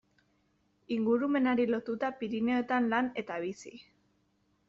Ingurumenari lotuta Pirinioetan lan eta bizi.